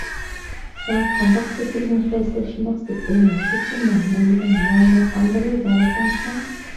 سەن قانداق سەكرىگۈم كەلسە شۇنداق سەكرەيمەن، چېچىلىمەن، مەن دېگەن ناھىيىنىڭ ئامبىلى دەۋاتامسەن؟!